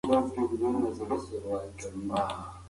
په ټولنه کې د جهل تیارې له منځه ځي.